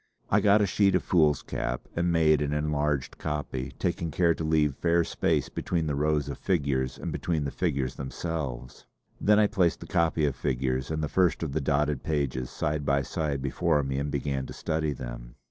I got a sheet of foolscap and made an enlarged copy, taking care to leave fair space between the rows of figures and between the figures themselves. Then I placed the copy of figures and the first of the dotted pages side by side before me and began to study them.